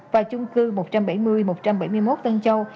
và chung cư một trăm bảy mươi một trăm bảy mươi một tân châu